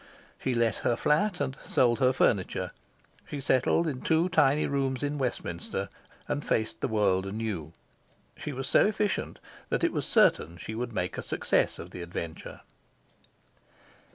She let her flat and sold her furniture. She settled in two tiny rooms in Westminster, and faced the world anew. She was so efficient that it was certain she would make a success of the adventure.